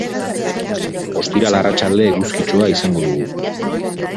Ostiral arratsalde eguzkitsua izango dugu.